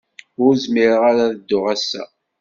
Ur zmireɣ ara ad dduɣ ass-a.